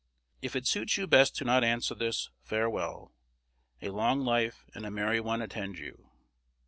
If it suits you best to not answer this, farewell. A long life and a merry one attend you.